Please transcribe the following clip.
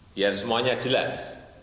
biar semuanya jelas